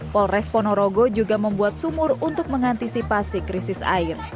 polres ponorogo juga membuat sumur untuk mengantisipasi krisis air